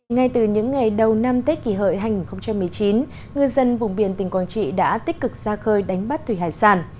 ngay từ những ngày đầu năm tết kỷ hợi hai nghìn một mươi chín ngư dân vùng biển tỉnh quảng trị đã tích cực ra khơi đánh bắt thủy hải sản